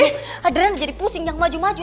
eh adriana jadi pusing yang maju maju